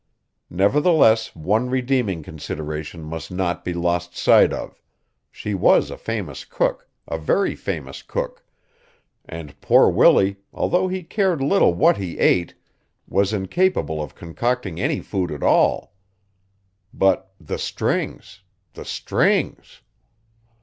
Nevertheless one redeeming consideration must not be lost sight of she was a famous cook, a very famous cook; and poor Willie, although he cared little what he ate, was incapable of concocting any food at all. But the strings, the strings!